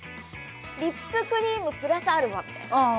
リップクリームプラスアルファみたいなああ